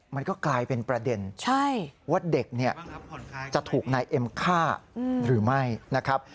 มันก็กลายเป็นประเด็นว่าเด็กเนี่ยจะถูกนายเอ็มฆ่าหรือไม่นะครับ